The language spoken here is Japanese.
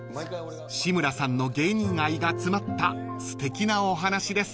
［志村さんの芸人愛が詰まったすてきなお話です］